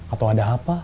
atau ada apa